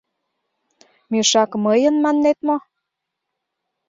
— «Мешак мыйын» маннет мо?